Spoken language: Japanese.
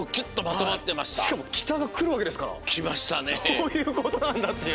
こういうことなんだっていう。